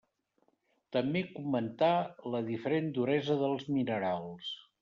També comentà la diferent duresa dels minerals.